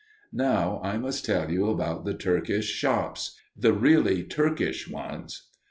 Now I must tell you about the Turkish shops the really Turkish ones.